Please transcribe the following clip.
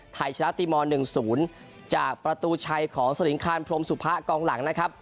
ไทยชนะตีมอล๑๐จากประตูชัยของสลิงคารพรมสุพะกองหลังนะครับ